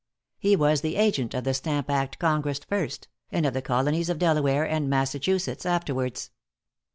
He was the Agent of the Stamp Act Congress first, and of the Colonies of Delaware and Massachusetts, afterwards.